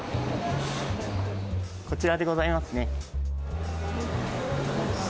こちらでございますね。